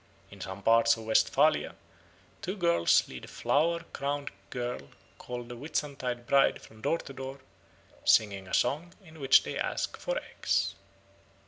In some parts of Westphalia two girls lead a flower crowned girl called the Whitsuntide Bride from door to door, singing a song in which they ask for eggs.